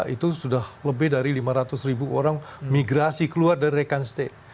itu sudah lebih dari lima ratus ribu orang migrasi keluar dari rekan state